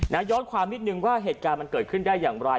ย้อนความนิดนึงว่าเหตุการณ์มันเกิดขึ้นได้อย่างไร